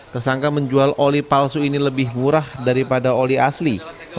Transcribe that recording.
tersangka menjual oli palsu ini lebih murah daripada oli asli